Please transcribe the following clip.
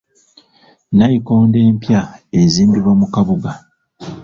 Nnayikondo empya ezimbibwa mu kabuga.